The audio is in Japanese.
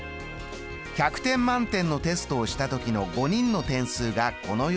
１００点満点のテストをした時の５人の点数がこのようになりました。